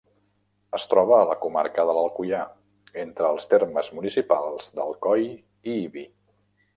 Es troba a la comarca de l'Alcoià, entre els termes municipals d'Alcoi i Ibi.